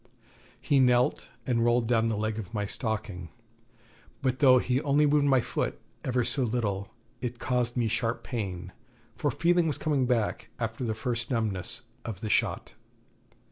He knelt, and rolled down the leg of my stocking; but though he only moved my foot ever so little, it caused me sharp pain, for feeling was coming back after the first numbness of the shot.